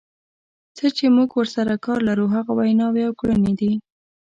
څه چې موږ ورسره کار لرو هغه ویناوې او کړنې دي.